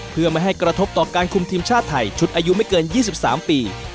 เพื่อไม่ให้กระทบต่อการคุมทีมชาติไทยชุดอายุไม่เกิน๒๓ปี